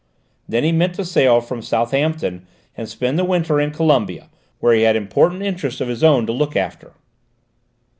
Then he meant to sail from Southampton and spend the winter in Colombia, where he had important interests of his own to look after.